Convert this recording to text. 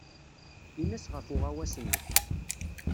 Ini-as ɣef uɣawas-nnek.